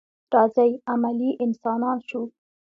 راځئ عملي انسانان شو.